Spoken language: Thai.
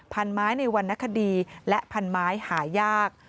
พันธุ์ไม้ในวันนักคดีและพันธุ์ไม้หายาก